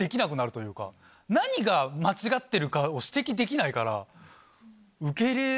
何が間違ってるかを指摘できないから。